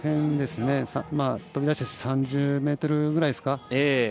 飛び出し３０ｍぐらいですか。